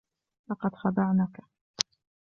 لقد خدعنك.